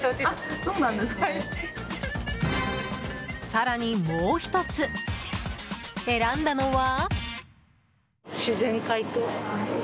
更にもう１つ、選んだのは。